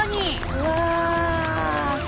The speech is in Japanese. うわ！